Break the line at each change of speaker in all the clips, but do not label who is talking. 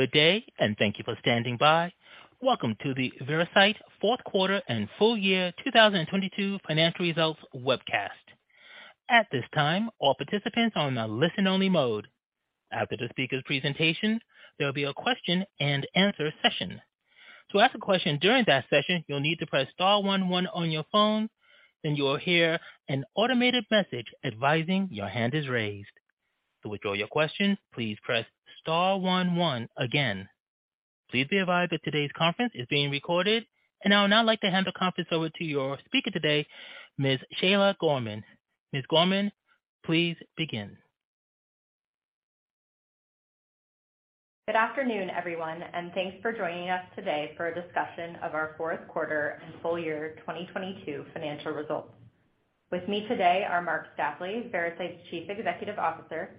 Good day, and thank you for standing by. Welcome to the Veracyte Q4 and full year 2022 financial results webcast. At this time, all participants are on a listen-only mode. After the speaker's presentation, there will be a question-and-answer session. To ask a question during that session, you'll need to press star 11 on your phone, then you will hear an automated message advising your hand is raised. To withdraw your question, please press star 11 again. Please be advised that today's conference is being recorded. I would now like to hand the conference over to your speaker today, Ms. Shayla Gorman. Ms. Gorman, please begin.
Good afternoon, everyone, thanks for joining us today for a discussion of our Q4 and full year 2022 financial results. With me today are Marc Stapley, Veracyte's Chief Executive Officer,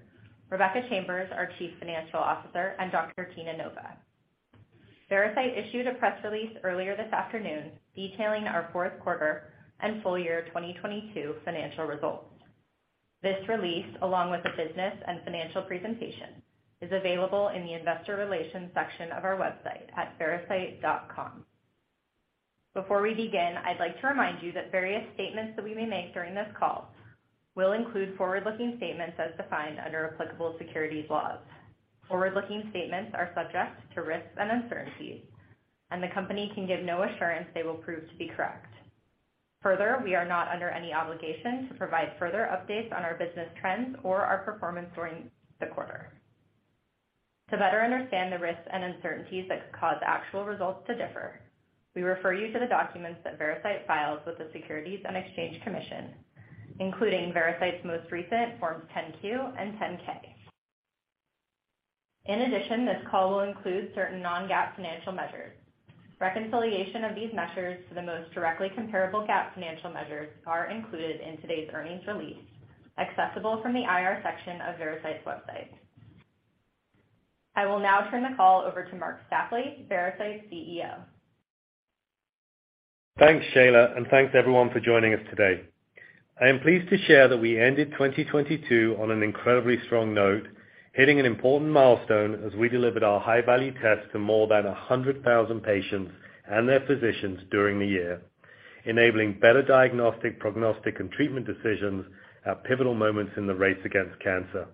Rebecca Chambers, our Chief Financial Officer, and Dr. Tina Nova. Veracyte issued a press release earlier this afternoon detailing our Q4 and full year 2022 financial results. This release, along with the business and financial presentation, is available in the investor relations section of our website at veracyte.com. Before we begin, I'd like to remind you that various statements that we may make during this call will include forward-looking statements as defined under applicable securities laws. Forward-looking statements are subject to risks and uncertainties, the company can give no assurance they will prove to be correct. We are not under any obligation to provide further updates on our business trends or our performance during the quarter. To better understand the risks and uncertainties that could cause actual results to differ, we refer you to the documents that Veracyte files with the Securities and Exchange Commission, including Veracyte's most recent Forms Form 10-Q and Form 10-K. This call will include certain non-GAAP financial measures. Reconciliation of these measures to the most directly comparable GAAP financial measures are included in today's earnings release, accessible from the IR section of Veracyte's website. I will now turn the call over to Marc Stapley, Veracyte's CEO.
Thanks, Shayla, and thanks everyone for joining us today. I am pleased to share that we ended 2022 on an incredibly strong note, hitting an important milestone as we delivered our high-value test to more than 100,000 patients and their physicians during the year, enabling better diagnostic, prognostic, and treatment decisions at pivotal moments in the race against cancer.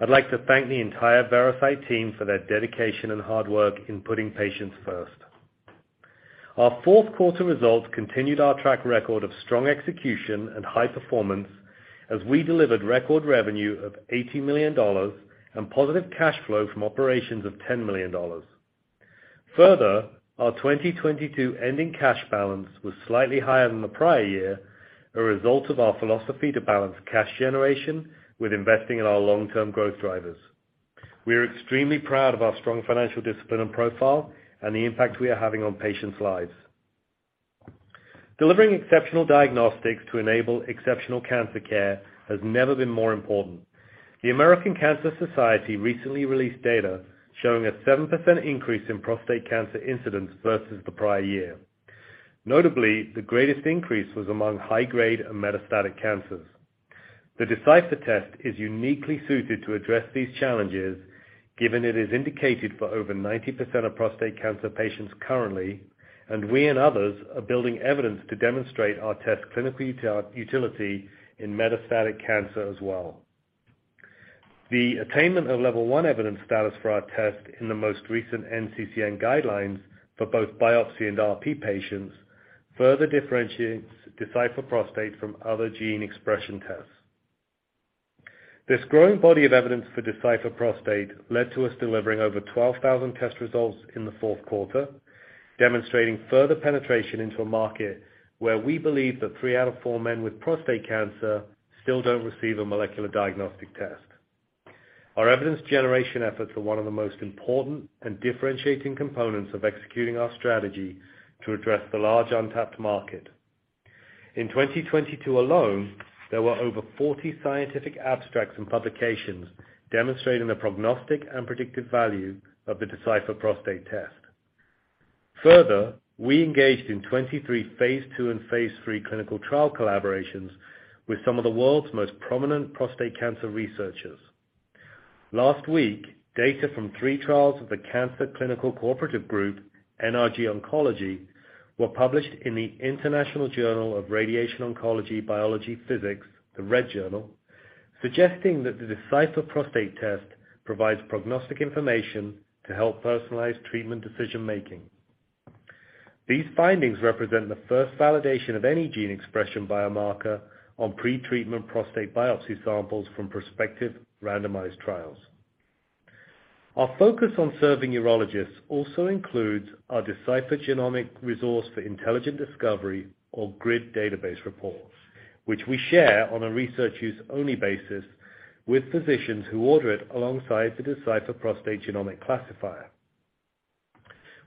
I'd like to thank the entire Veracyte team for their dedication and hard work in putting patients first. Our Q4 results continued our track record of strong execution and high performance as we delivered record revenue of $80 million and positive cash flow from operations of $10 million. Further, our 2022 ending cash balance was slightly higher than the prior year, a result of our philosophy to balance cash generation with investing in our long-term growth drivers. We are extremely proud of our strong financial discipline and profile and the impact we are having on patients' lives. Delivering exceptional diagnostics to enable exceptional cancer care has never been more important. The American Cancer Society recently released data showing a 7% increase in prostate cancer incidents versus the prior year. Notably, the greatest increase was among high grade and metastatic cancers. The Decipher test is uniquely suited to address these challenges, given it is indicated for over 90% of prostate cancer patients currently, and we and others are building evidence to demonstrate our test clinical utility in metastatic cancer as well. The attainment of level 1 evidence status for our test in the most recent NCCN guidelines for both biopsy and RP patients further differentiates Decipher Prostate from other gene expression tests. This growing body of evidence for Decipher Prostate led to us delivering over 12,000 test results in the Q4, demonstrating further penetration into a market where we believe that three out of four men with prostate cancer still don't receive a molecular diagnostic test. Our evidence generation efforts are one of the most important and differentiating components of executing our strategy to address the large untapped market. In 2022 alone, there were over 40 scientific abstracts and publications demonstrating the prognostic and predictive value of the Decipher Prostate Test. We engaged in 23 phase two and phase three clinical trial collaborations with some of the world's most prominent prostate cancer researchers. Last week, data from 3 trials of the Cancer Clinical Cooperative Group, NRG Oncology, were published in the International Journal of Radiation Oncology, Biology, Physics, the Red Journal, suggesting that the Decipher Prostate Test provides prognostic information to help personalize treatment decision-making. These findings represent the first validation of any gene expression biomarker on pretreatment prostate biopsy samples from prospective randomized trials. Our focus on serving urologists also includes our Decipher Genomic Resource for Intelligent Discovery or GRID database reports, which we share on a research use only basis with physicians who order it alongside the Decipher Prostate Genomic Classifier.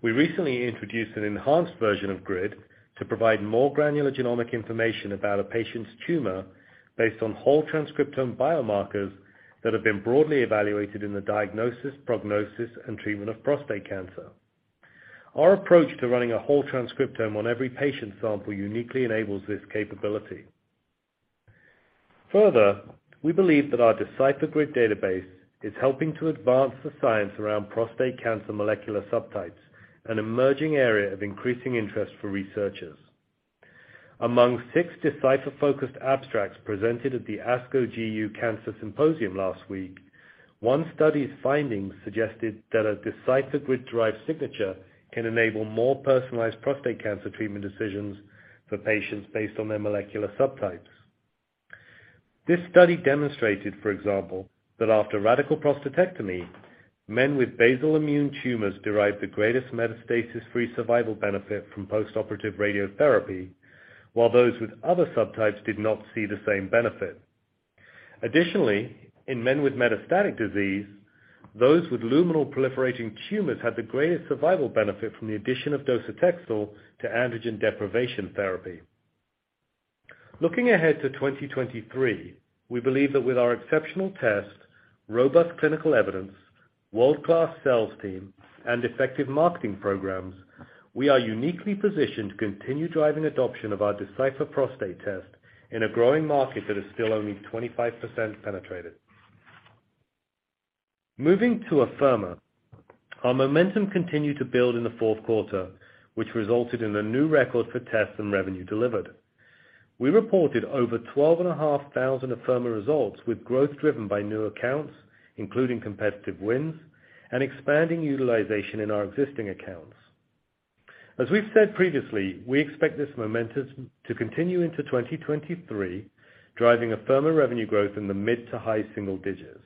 We recently introduced an enhanced version of GRID to provide more granular genomic information about a patient's tumor based on whole transcriptome biomarkers that have been broadly evaluated in the diagnosis, prognosis, and treatment of prostate cancer. Our approach to running a whole transcriptome on every patient sample uniquely enables this capability. Further, we believe that our Decipher GRID database is helping to advance the science around prostate cancer molecular subtypes, an emerging area of increasing interest for researchers. Among six Decipher-focused abstracts presented at the ASCO GU Cancers Symposium last week, one study's findings suggested that a Decipher GRID-derived signature can enable more personalized prostate cancer treatment decisions for patients based on their molecular subtypes. This study demonstrated, for example, that after radical prostatectomy, men with basal immune tumors derived the greatest metastasis-free survival benefit from postoperative radiotherapy, while those with other subtypes did not see the same benefit. Additionally, in men with metastatic disease, those with luminal proliferating tumors had the greatest survival benefit from the addition of docetaxel to androgen deprivation therapy. Looking ahead to 2023, we believe that with our exceptional test, robust clinical evidence, world-class sales team, and effective marketing programs, we are uniquely positioned to continue driving adoption of our Decipher Prostate Test in a growing market that is still only 25% penetrated. Moving to Afirma, our momentum continued to build in the Q4, which resulted in a new record for tests and revenue delivered. We reported over 12,500 Afirma results with growth driven by new accounts, including competitive wins and expanding utilization in our existing accounts. As we've said previously, we expect this momentum to continue into 2023, driving Afirma revenue growth in the mid to high single digits.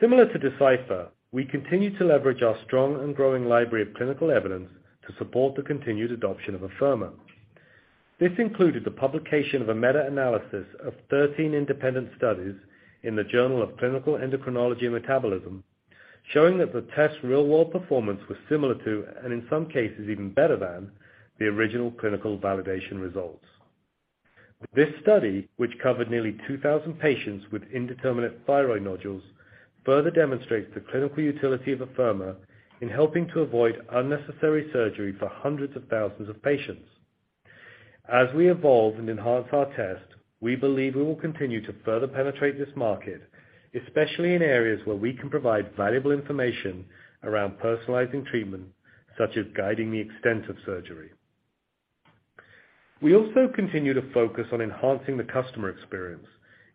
Similar to Decipher, we continue to leverage our strong and growing library of clinical evidence to support the continued adoption of Afirma. This included the publication of a meta-analysis of 13 independent studies in The Journal of Clinical Endocrinology & Metabolism, showing that the test's real-world performance was similar to, and in some cases even better than, the original clinical validation results. This study, which covered nearly 2,000 patients with indeterminate thyroid nodules, further demonstrates the clinical utility of Afirma in helping to avoid unnecessary surgery for hundreds of thousands of patients. As we evolve and enhance our test, we believe we will continue to further penetrate this market, especially in areas where we can provide valuable information around personalizing treatment, such as guiding the extent of surgery. We also continue to focus on enhancing the customer experience,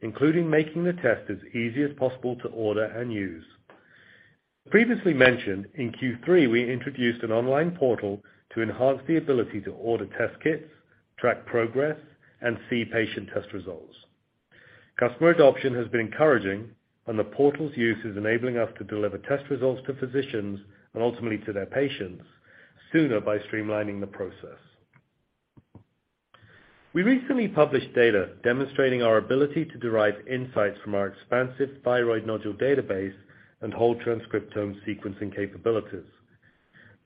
including making the test as easy as possible to order and use. Previously mentioned, in Q3, we introduced an online portal to enhance the ability to order test kits, track progress, and see patient test results. Customer adoption has been encouraging, and the portal's use is enabling us to deliver test results to physicians, and ultimately to their patients, sooner by streamlining the process. We recently published data demonstrating our ability to derive insights from our expansive thyroid nodule database and whole transcriptome sequencing capabilities.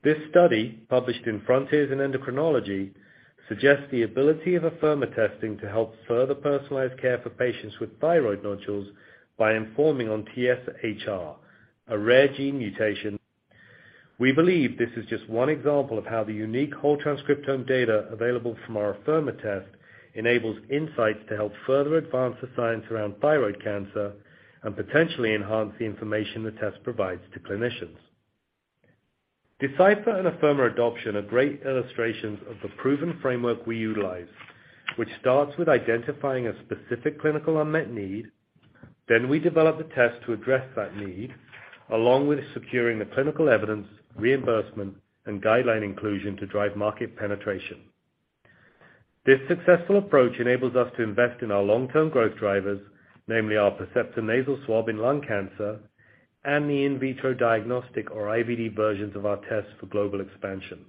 This study, published in Frontiers in Endocrinology, suggests the ability of Afirma testing to help further personalize care for patients with thyroid nodules by informing on TSHR, a rare gene mutation. We believe this is just one example of how the unique whole transcriptome data available from our Afirma test enables insights to help further advance the science around thyroid cancer and potentially enhance the information the test provides to clinicians. Decipher and Afirma adoption are great illustrations of the proven framework we utilize, which starts with identifying a specific clinical unmet need. We develop a test to address that need, along with securing the clinical evidence, reimbursement, and guideline inclusion to drive market penetration. This successful approach enables us to invest in our long-term growth drivers, namely our Percepta Nasal Swab in lung cancer and the in vitro diagnostic or IVD versions of our tests for global expansion.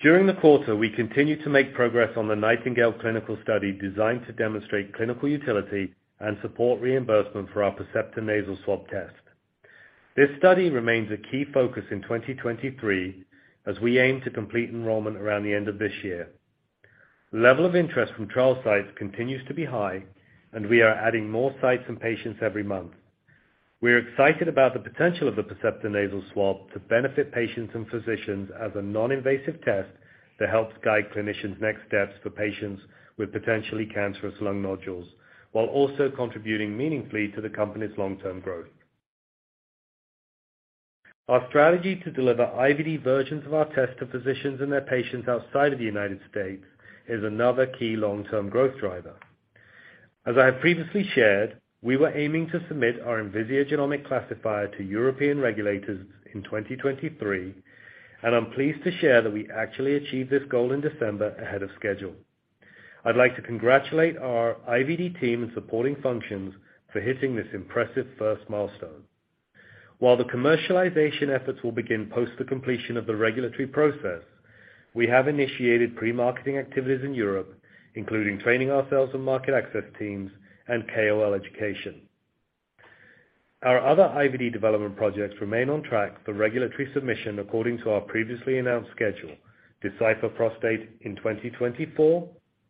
During the quarter, we continued to make progress on the NIGHTINGALE clinical study designed to demonstrate clinical utility and support reimbursement for our Percepta Nasal Swab test. This study remains a key focus in 2023 as we aim to complete enrollment around the end of this year. Level of interest from trial sites continues to be high, and we are adding more sites and patients every month. We're excited about the potential of the Percepta Nasal Swab to benefit patients and physicians as a non-invasive test that helps guide clinicians' next steps for patients with potentially cancerous lung nodules while also contributing meaningfully to the company's long-term growth. Our strategy to deliver IVD versions of our test to physicians and their patients outside of the United States is another key long-term growth driver. As I have previously shared, we were aiming to submit our Envisia Genomic Classifier to European regulators in 2023. I'm pleased to share that we actually achieved this goal in December ahead of schedule. I'd like to congratulate our IVD team and supporting functions for hitting this impressive first milestone. While the commercialization efforts will begin post the completion of the regulatory process, we have initiated pre-marketing activities in Europe, including training our sales and market access teams and KOL education. Our other IVD development projects remain on track for regulatory submission according to our previously announced schedule, Decipher Prostate in 2024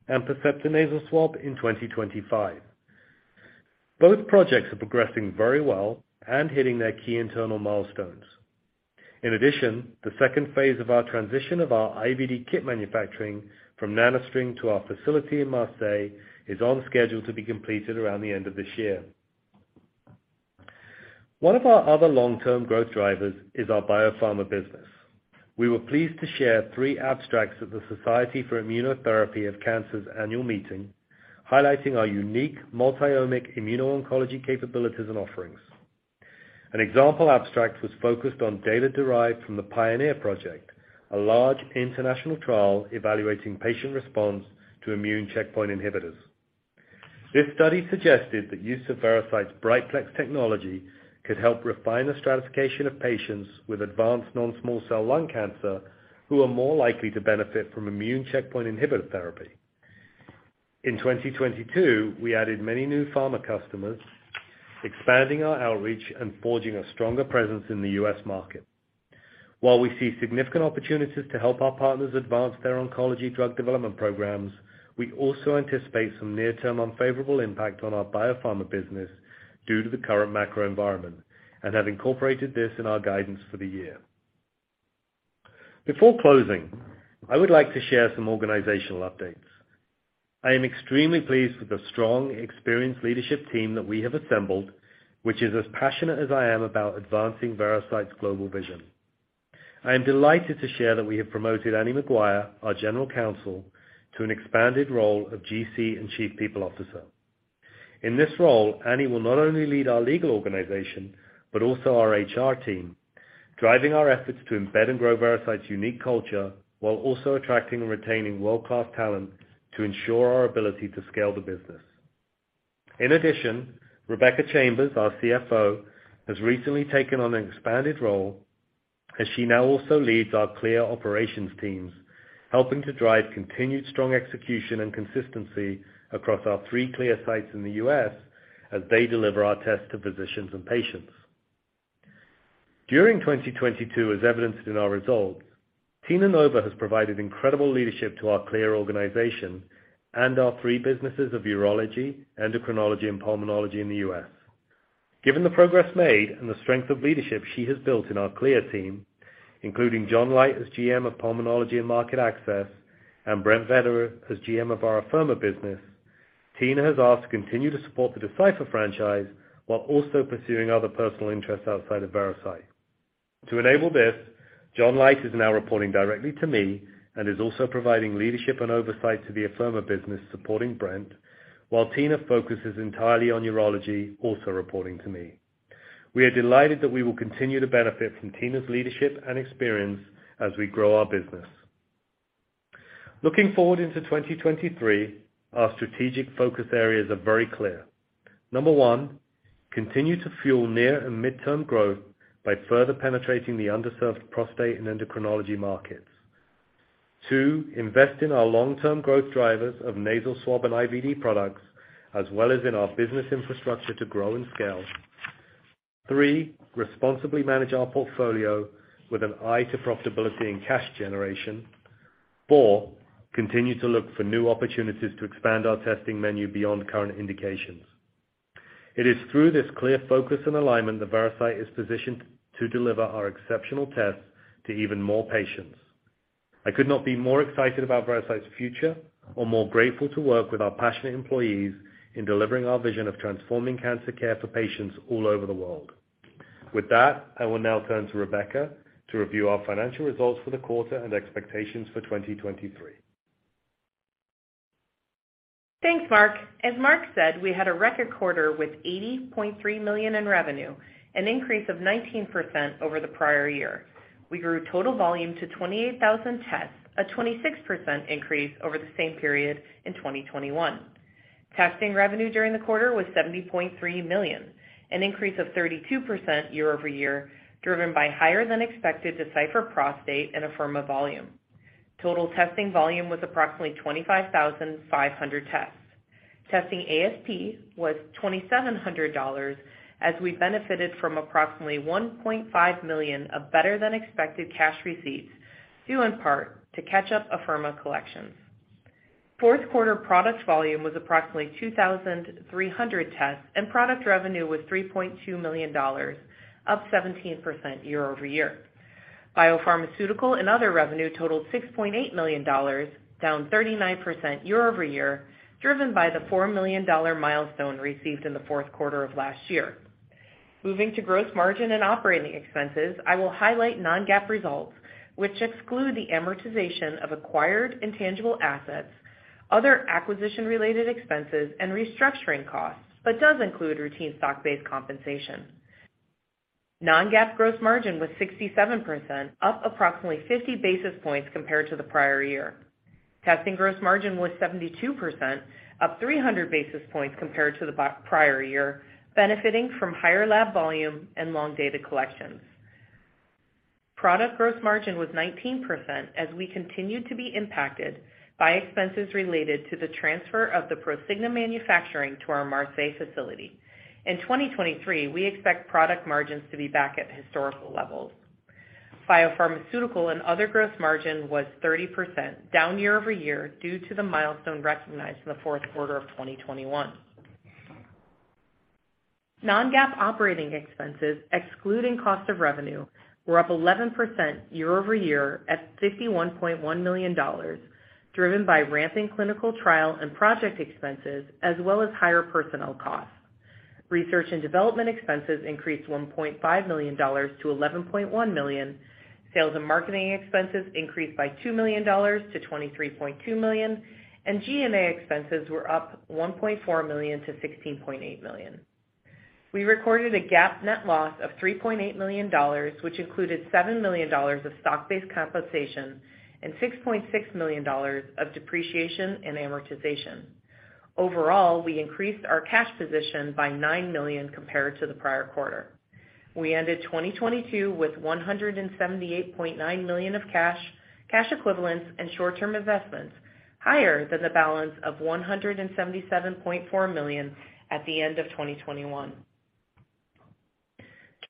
and Percepta Nasal Swab in 2025. Both projects are progressing very well and hitting their key internal milestones. The second phase of our transition of our IVD kit manufacturing from NanoString to our facility in Marseille is on schedule to be completed around the end of this year. One of our other long-term growth drivers is our biopharma business. We were pleased to share three abstracts at the Society for Immunotherapy of Cancer's annual meeting, highlighting our unique multi-omic immuno-oncology capabilities and offerings. An example abstract was focused on data derived from the PIONEER project, a large international trial evaluating patient response to immune checkpoint inhibitors. This study suggested that use of Veracyte's Brightplex technology could help refine the stratification of patients with advanced non-small cell lung cancer who are more likely to benefit from immune checkpoint inhibitor therapy. In 2022, we added many new pharma customers, expanding our outreach and forging a stronger presence in the U.S. market. We also anticipate some near-term unfavorable impact on our biopharma business due to the current macro environment and have incorporated this in our guidance for the year. Before closing, I would like to share some organizational updates. I am extremely pleased with the strong, experienced leadership team that we have assembled, which is as passionate as I am about advancing Veracyte's global vision. I am delighted to share that we have promoted Annie McGuire, our General Counsel, to an expanded role of GC and Chief People Officer. In this role, Annie will not only lead our legal organization, but also our HR team, driving our efforts to embed and grow Veracyte's unique culture while also attracting and retaining world-class talent to ensure our ability to scale the business. Rebecca Chambers, our CFO, has recently taken on an expanded role as she now also leads our CLIA operations teams, helping to drive continued strong execution and consistency across our three CLIA sites in the U.S. as they deliver our tests to physicians and patients. During 2022, as evidenced in our results, Tina Nova has provided incredible leadership to our CLIA organization and our three businesses of urology, endocrinology, and pulmonology in the U.S. Given the progress made and the strength of leadership she has built in our CLIA team, including John Light as GM of Pulmonology & Market Access, and Brent Vetter as GM of our Afirma business, Tina has asked to continue to support the Decipher franchise while also pursuing other personal interests outside of Veracyte. To enable this, John Light is now reporting directly to me and is also providing leadership and oversight to the Afirma business supporting Brent, while Tina focuses entirely on urology, also reporting to me. We are delighted that we will continue to benefit from Tina's leadership and experience as we grow our business. Looking forward into 2023, our strategic focus areas are very clear. Number one, continue to fuel near and midterm growth by further penetrating the underserved prostate and endocrinology markets. Two, invest in our long-term growth drivers of nasal swab and IVD products, as well as in our business infrastructure to grow and scale. Three, responsibly manage our portfolio with an eye to profitability and cash generation. Four, continue to look for new opportunities to expand our testing menu beyond current indications. It is through this clear focus and alignment that Veracyte is positioned to deliver our exceptional tests to even more patients. I could not be more excited about Veracyte's future or more grateful to work with our passionate employees in delivering our vision of transforming cancer care for patients all over the world. I will now turn to Rebecca to review our financial results for the quarter and expectations for 2023.
Thanks, Marc. As Marc said, we had a record quarter with $80.3 million in revenue, an increase of 19% over the prior year. We grew total volume to 28,000 tests, a 26% increase over the same period in 2021. Testing revenue during the quarter was $70.3 million, an increase of 32% year-over-year, driven by higher than expected Decipher Prostate and Afirma volume. Total testing volume was approximately 25,500 tests. Testing ASP was $2,700 as we benefited from approximately $1.5 million of better-than-expected cash receipts, due in part to catch-up Afirma collections. Q4 product volume was approximately 2,300 tests, and product revenue was $3.2 million, up 17% year-over-year. Biopharmaceutical and other revenue totaled $6.8 million, down 39% year-over-year, driven by the $4 million milestone received in the Q1 of last year. Moving to gross margin and operating expenses, I will highlight non-GAAP results, which exclude the amortization of acquired intangible assets, other acquisition-related expenses, and restructuring costs, but does include routine stock-based compensation. Non-GAAP gross margin was 67%, up approximately 50 basis points compared to the prior year. Testing gross margin was 72%, up 300 basis points compared to the prior year, benefiting from higher lab volume and long data collections. Product gross margin was 19% as we continued to be impacted by expenses related to the transfer of the Prosigna manufacturing to our Marseille facility. In 2023, we expect product margins to be back at historical levels. Biopharmaceutical and other gross margin was 30%, down year-over-year due to the milestone recognized in the Q4 of 2021. Non-GAAP operating expenses, excluding cost of revenue, were up 11% year-over-year at $51.1 million, driven by ramping clinical trial and project expenses as well as higher personnel costs. Research and development expenses increased $1.5 million to $11.1 million. Sales and marketing expenses increased by $2 million to $23.2 million, and GMA expenses were up $1.4 million to $16.8 million. We recorded a GAAP net loss of $3.8 million, which included $7 million of stock-based compensation and $6.6 million of depreciation and amortization. Overall, we increased our cash position by $9 million compared to the prior quarter. We ended 2022 with $178.9 million of cash equivalents and short-term investments, higher than the balance of $177.4 million at the end of 2021.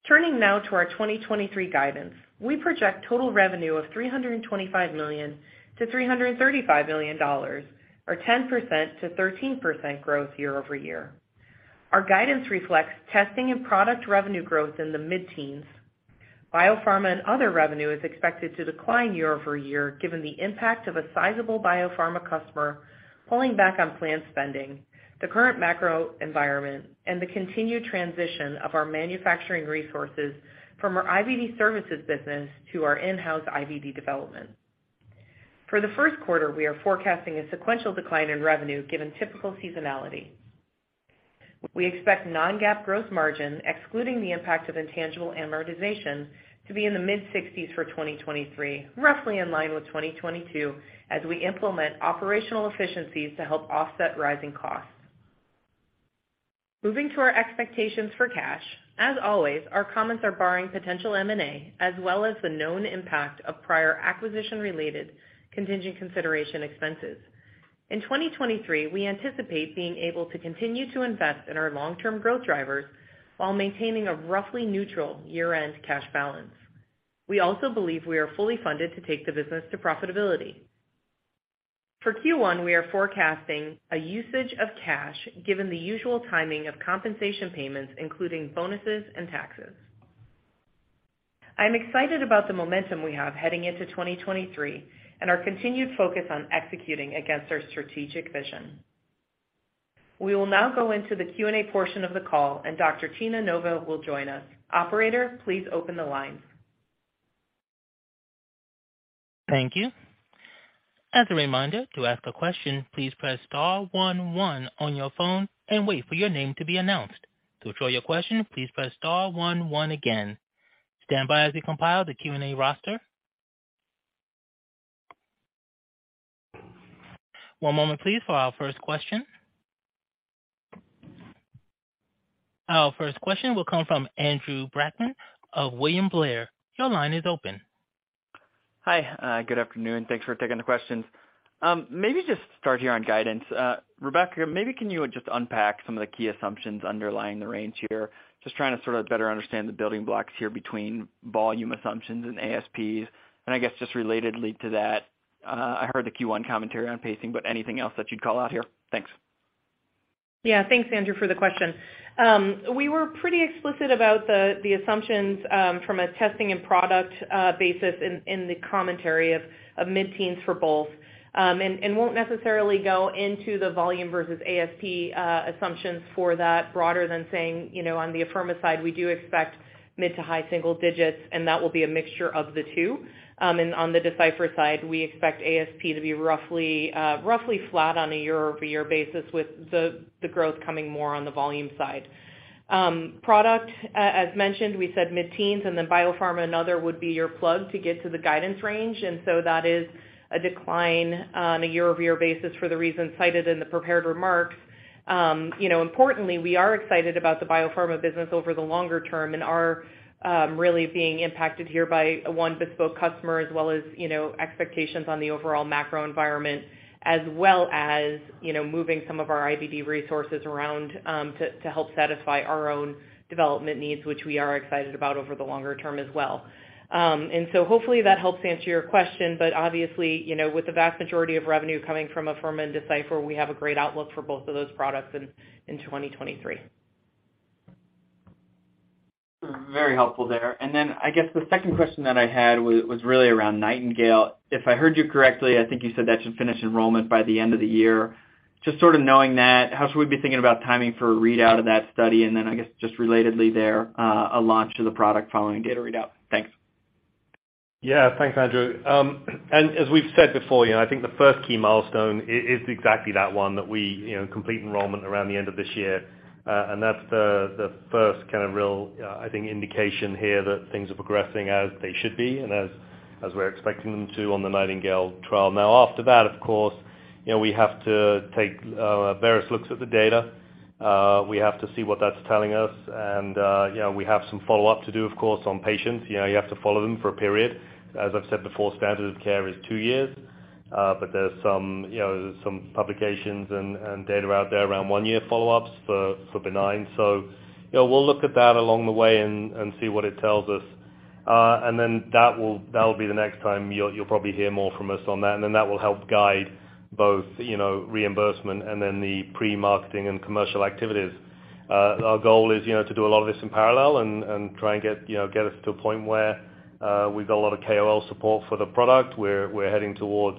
Turning now to our 2023 guidance. We project total revenue of $325 million-$335 million, or 10%-13% growth year-over-year. Our guidance reflects testing and product revenue growth in the mid-teens. Biopharma and other revenue is expected to decline year-over-year given the impact of a sizable biopharma customer pulling back on planned spending, the current macro environment, and the continued transition of our manufacturing resources from our IVD services business to our in-house IVD development. For the Q1, we are forecasting a sequential decline in revenue given typical seasonality. We expect non-GAAP growth margin, excluding the impact of intangible amortization, to be in the mid-60s for 2023, roughly in line with 2022, as we implement operational efficiencies to help offset rising costs. Moving to our expectations for cash, as always, our comments are barring potential M&A as well as the known impact of prior acquisition-related contingent consideration expenses. In 2023, we anticipate being able to continue to invest in our long-term growth drivers while maintaining a roughly neutral year-end cash balance. We also believe we are fully funded to take the business to profitability. For Q1, we are forecasting a usage of cash given the usual timing of compensation payments, including bonuses and taxes. I'm excited about the momentum we have heading into 2023 and our continued focus on executing against our strategic vision. We will now go into the Q&A portion of the call, and Dr. Tina Nova will join us. Operator, please open the lines.
Thank you. As a reminder, to ask a question, please press star 11 on your phone and wait for your name to be announced. To withdraw your question, please press star 11 again. Stand by as we compile the Q&A roster. 1 moment please for our first question. Our first question will come from Andrew Brackmann of William Blair. Your line is open.
Hi, good afternoon. Thanks for taking the questions. Maybe just start here on guidance. Rebecca, maybe can you just unpack some of the key assumptions underlying the range here? Just trying to sort of better understand the building blocks here between volume assumptions and ASPs. I guess just relatedly to that, I heard the Q1 commentary on pacing, but anything else that you'd call out here? Thanks.
Yeah. Thanks, Andrew, for the question. We were pretty explicit about the assumptions from a testing and product basis in the commentary of mid-teens for both. Won't necessarily go into the volume versus ASP assumptions for that broader than saying on the Afirma side, we do expect mid to high single digits, and that will be a mixture of the two. On the Decipher side, we expect ASP to be roughly flat on a year-over-year basis with the growth coming more on the volume side. Product, as mentioned, we said mid-teens and then biopharma and other would be your plug to get to the guidance range. That is a decline on a year-over-year basis for the reasons cited in the prepared remarks., importantly, we are excited about the biopharma business over the longer term and are really being impacted here by one bespoke customer as well as expectations on the overall macro environment, as well as moving some of our IVD resources around to help satisfy our own development needs, which we are excited about over the longer term as well. Hopefully that helps answer your question. obviously with the vast majority of revenue coming from Afirma and Decipher, we have a great outlook for both of those products in 2023.
Very helpful there. I guess the second question that I had was really around Nightingale. If I heard you correctly, I think you said that should finish enrollment by the end of the year. Just sort of knowing that, how should we be thinking about timing for a readout of that study? I guess just relatedly there, a launch of the product following a data readout. Thanks.
Yeah. Thanks, Andrew. As we've said before I think the first key milestone is exactly that one, that we complete enrollment around the end of this year. That's the first kind of real, I think indication here that things are progressing as they should be and as we're expecting them to on the NIGHTINGALE trial. After that, of course we have to take various looks at the data. We have to see what that's telling us, and we have some follow-up to do, of course, on patients., you have to follow them for a period. As I've said before, standard of care is two years. There's some some publications and data out there around one-year follow-ups for benign. We'll look at that along the way and see what it tells us. That'll be the next time you'll probably hear more from us on that. That will help guide both reimbursement and then the pre-marketing and commercial activities. Our goal is to do a lot of this in parallel and try and get get us to a point where we've got a lot of KOL support for the product. We're heading towards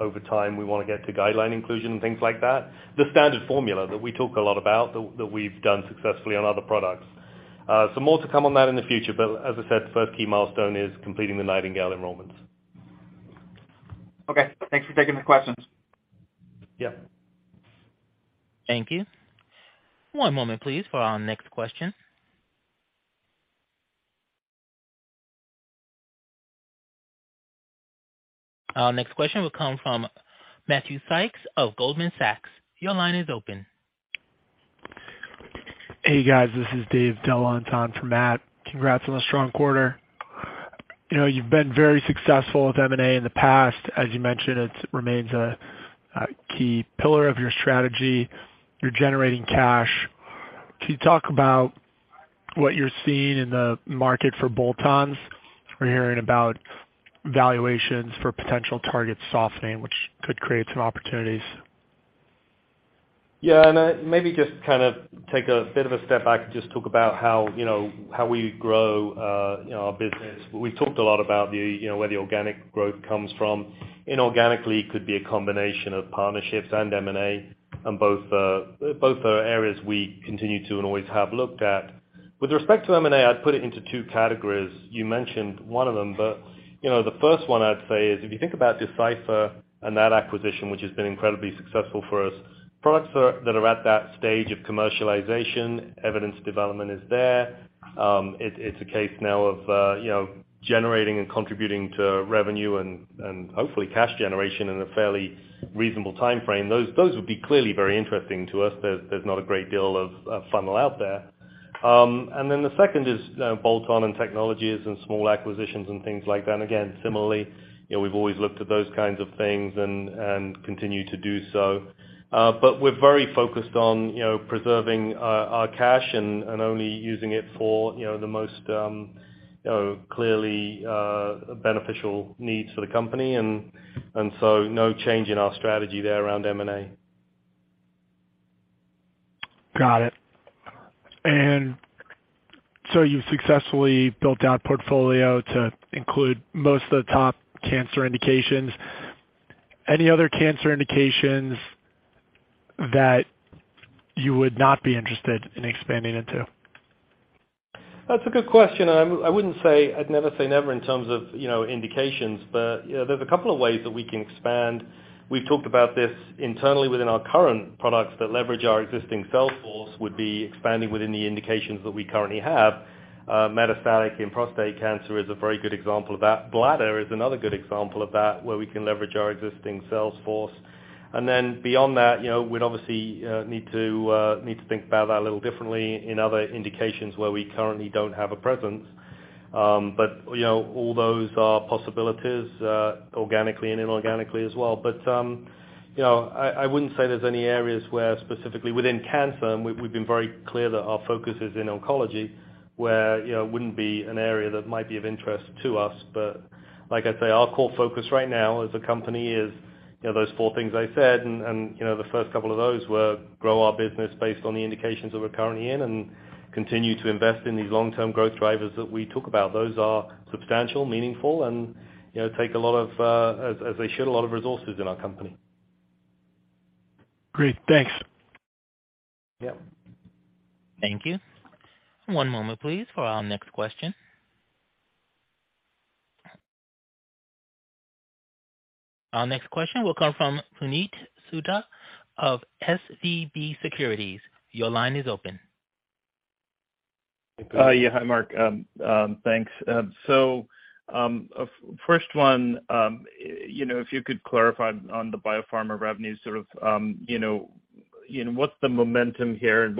over time, we wanna get to guideline inclusion and things like that. The standard formula that we talk a lot about, that we've done successfully on other products. More to come on that in the future, but as I said, the first key milestone is completing the NIGHTINGALE enrollments.
Okay. Thanks for taking the questions.
Yeah.
Thank you. One moment, please, for our next question. Our next question will come from Matthew Sykes of Goldman Sachs. Your line is open.
Hey, guys, this is David Delahunt on time for Matt. Congrats on a strong quarter., you've been very successful with M&A in the past. As you mentioned, it remains a key pillar of your strategy. You're generating cash. Can you talk about what you're seeing in the market for bolt-ons? We're hearing about valuations for potential targets softening, which could create some opportunities.
Yeah. Maybe just kind of take a bit of a step back and just talk about how how we grow our business. We talked a lot about the where the organic growth comes from. Inorganically could be a combination of partnerships and M&A, and both are areas we continue to and always have looked at. With respect to M&A, I'd put it into two categories. You mentioned one of them, but the first one I'd say is, if you think about Decipher and that acquisition, which has been incredibly successful for us, products that are at that stage of commercialization, evidence development is there. It's a case now of generating and contributing to revenue and hopefully cash generation in a fairly reasonable timeframe. Those would be clearly very interesting to us. There's not a great deal of funnel out there. The second is bolt-on and technologies and small acquisitions and things like that. Again, similarly we've always looked at those kinds of things and continue to do so. We're very focused on preserving our cash and only using it for the most clearly beneficial needs for the company. No change in our strategy there around M&A.
Got it. You've successfully built out portfolio to include most of the top cancer indications. Any other cancer indications that you would not be interested in expanding into?
That's a good question. I wouldn't say I'd never say never in terms of indications, there's 2 ways that we can expand. We've talked about this internally within our current products that leverage our existing sales force would be expanding within the indications that we currently have. Metastatic and prostate cancer is a very good example of that. Bladder is another good example of that, where we can leverage our existing sales force. Beyond that we'd obviously need to think about that a little differently in other indications where we currently don't have a presence. All those are possibilities, organically and inorganically as well., I wouldn't say there's any areas where specifically within cancer, and we've been very clear that our focus is in oncology, where it wouldn't be an area that might be of interest to us. Like I say, our core focus right now as a company is those four things I said, and the first couple of those were grow our business based on the indications that we're currently in and continue to invest in these long-term growth drivers that we talk about. Those are substantial, meaningful and take a lot of, as they should, a lot of resources in our company.
Great. Thanks.
Yeah.
Thank you. One moment, please, for our next question. Our next question will come from Puneet Souda of SVB Securities. Your line is open.
Hi. Yeah. Hi, Mark. thanks. first one if you could clarify on the biopharma revenue, sort of what's the momentum here in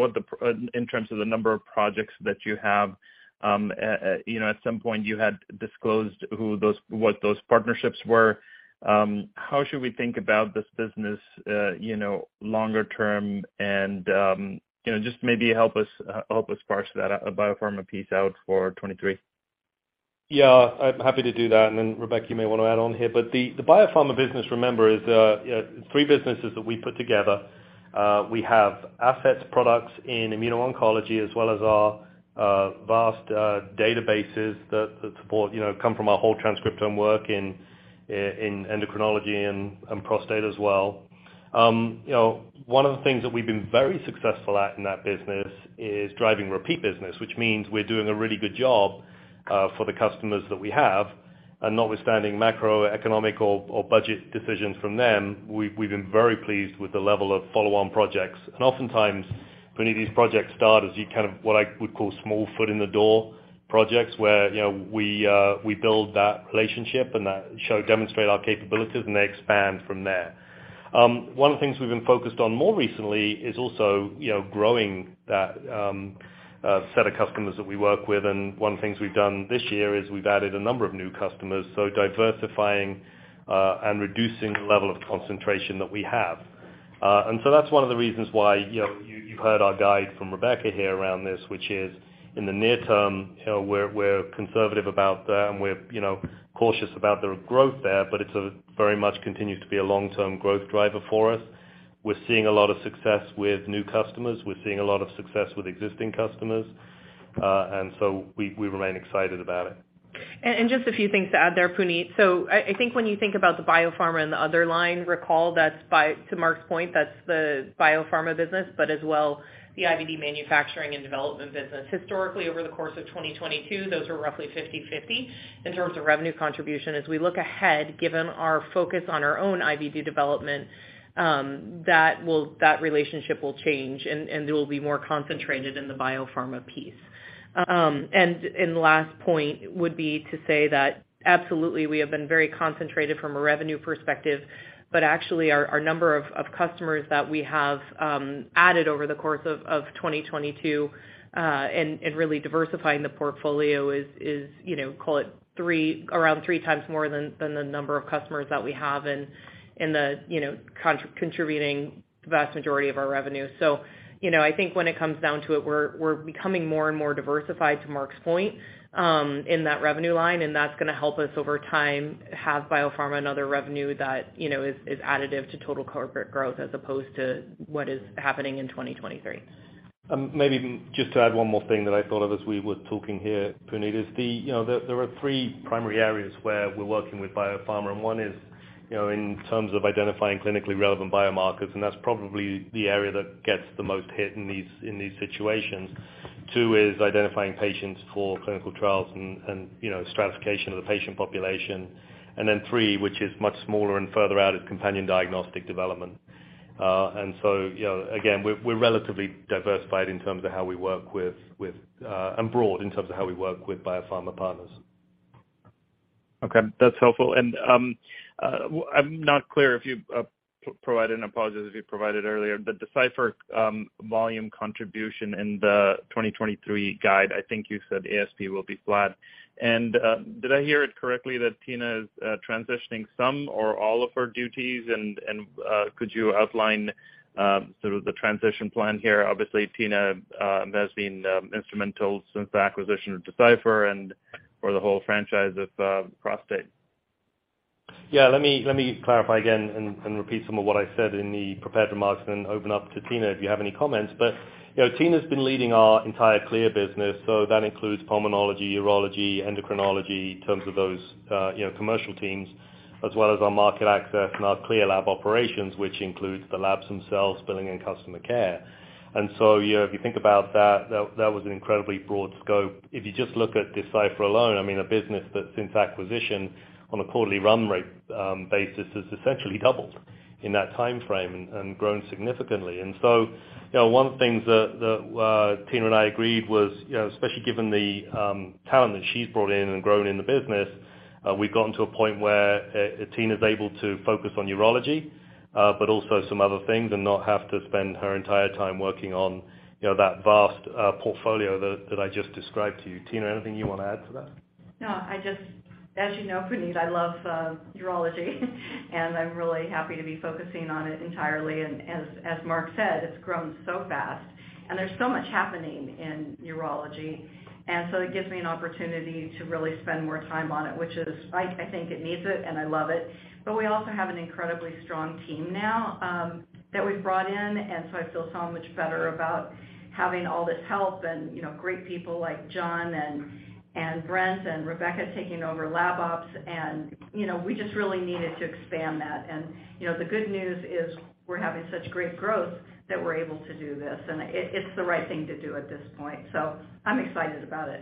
terms of the number of projects that you have., at some point you had disclosed what those partnerships were. How should we think about this business longer term? Just maybe help us, help us parse that biopharma piece out for 2023.
Yeah, I'm happy to do that. Rebecca, you may wanna add on here. The biopharma business, remember, is three businesses that we put together. We have assets products in immuno-oncology as well as our vast databases that support come from our whole transcriptome work in endocrinology and prostate as well., one of the things that we've been very successful at in that business is driving repeat business, which means we're doing a really good job for the customers that we have. Notwithstanding macroeconomic or budget decisions from them, we've been very pleased with the level of follow-on projects. Oftentimes, when these projects start, as you kind of what I would call small foot in the door projects, where we build that relationship and that demonstrate our capabilities and they expand from there. One of the things we've been focused on more recently is also growing that set of customers that we work with. One of the things we've done this year is we've added a number of new customers, so diversifying and reducing the level of concentration that we have. That's one of the reasons why you've heard our guide from Rebecca here around this, which is in the near term we're conservative about that and we're cautious about the growth there, but it's very much continues to be a long-term growth driver for us. We're seeing a lot of success with new customers. We're seeing a lot of success with existing customers, we remain excited about it.
Just a few things to add there, Puneet. I think when you think about the biopharma and the other line, recall that's to Marc's point, that's the biopharma business, but as well, the IVD manufacturing and development business. Historically, over the course of 2022, those were roughly 50/50 in terms of revenue contribution. As we look ahead, given our focus on our own IVD development, that relationship will change and it will be more concentrated in the biopharma piece. The last point would be to say that absolutely, we have been very concentrated from a revenue perspective, but actually our number of customers that we have added over the course of 2022, and really diversifying the portfolio is call it around three times more than the number of customers that we have in the contributing the vast majority of our revenue. I think when it comes down to it, we're becoming more and more diversified, to Marc's point, in that revenue line, and that's gonna help us over time have biopharma and other revenue that is additive to total corporate growth as opposed to what is happening in 2023.
Maybe just to add one more thing that I thought of as we were talking here, Puneet, is there are 3 primary areas where we're working with biopharma. One is in terms of identifying clinically relevant biomarkers, and that's probably the area that gets the most hit in these, in these situations. Two is identifying patients for clinical trials and stratification of the patient population. 3, which is much smaller and further out, is companion diagnostic development., again, we're relatively diversified in terms of how we work with, and broad in terms of how we work with biopharma partners.
Okay, that's helpful. I'm not clear if you provided, and apologies if you provided earlier, the Decipher volume contribution in the 2023 guide. I think you said ASP will be flat. Did I hear it correctly that Tina is transitioning some or all of her duties and could you outline sort of the transition plan here? Obviously, Tina has been instrumental since the acquisition of Decipher and for the whole franchise of prostate.
Yeah, let me clarify again and repeat some of what I said in the prepared remarks and open up to Tina, if you have any comments., Tina's been leading our entire CLIA business, so that includes pulmonology, urology, endocrinology, in terms of those commercial teams, as well as our market access and our CLIA lab operations, which includes the labs themselves, billing and customer care., if you think about that was an incredibly broad scope. If you just look at Decipher alone, I mean, a business that since acquisition on a quarterly run rate basis, has essentially doubled in that timeframe and grown significantly., one of the things that Tina and I agreed was especially given the talent that she's brought in and grown in the business, we've gotten to a point where Tina's able to focus on urology, but also some other things and not have to spend her entire time working on that vast portfolio that I just described to you. Tina, anything you wanna add to that?
No, I just. As, Puneet Souda, I love urology and I'm really happy to be focusing on it entirely. As Marc Stapley said, it's grown so fast and there's so much happening in urology. It gives me an opportunity to really spend more time on it, which is, I think it needs it and I love it. We also have an incredibly strong team now that we've brought in, and so I feel so much better about having all this help and great people like John Light and Brent Vetter and Rebecca Chambers taking over lab ops., we just really needed to expand that., the good news is we're having such great growth that we're able to do this, and it's the right thing to do at this point. I'm excited about it.